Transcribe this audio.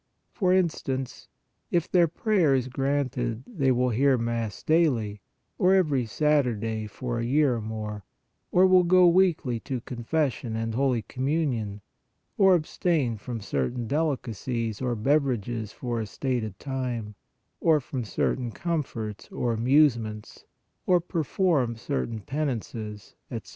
For instance, if their prayer is granted they will hear Mass daily, or every Saturday for a year or more, or will go weekly to confession and holy Com munion, or abstain from certain delicacies or bev erages for a stated time, or from certain comforts or amusements, or perform certain penances, etc.